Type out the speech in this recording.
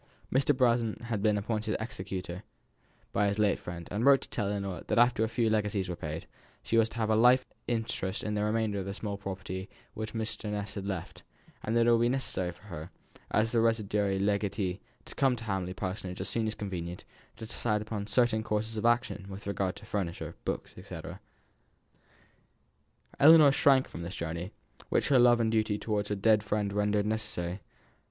Mr. Brown had been appointed executer by his late friend, and wrote to tell Ellinor that after a few legacies were paid, she was to have a life interest in the remainder of the small property which Mr. Ness had left, and that it would be necessary for her, as the residuary legatee, to come to Hamley Parsonage as soon as convenient, to decide upon certain courses of action with regard to furniture, books, &c. Ellinor shrank from this journey, which her love and duty towards her dead friend rendered necessary.